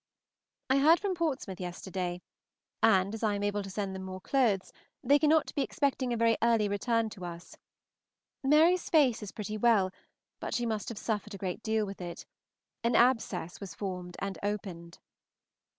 I heard from Portsmouth yesterday, and as I am to send them more clothes, they cannot be expecting a very early return to us. Mary's face is pretty well, but she must have suffered a great deal with it; an abscess was formed and opened.